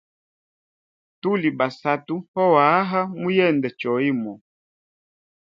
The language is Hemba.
Tuli basatu ohawa muyende choimo.